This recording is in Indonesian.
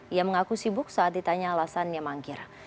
ia mengaku sibuk saat ditanya alasannya mangkir